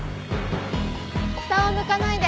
下を向かないで。